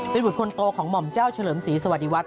เป็นบุตรคนโตของหม่อมเจ้าเฉลิมศรีสวัสดีวัฒ